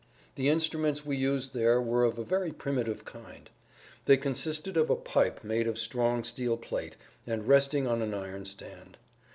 The instruments we used there were of a very primitive kind. They consisted of a pipe made of strong steel plate and resting on an iron stand.